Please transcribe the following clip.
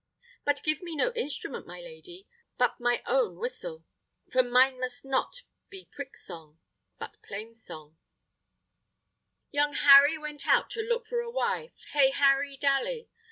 "But give me no instrument, my lady, but my own whistle; for mine must not be pryck song, but plain song." THE CUSTREL'S SONG. Young Harry went out to look for a wife, Hey, Harry Dally!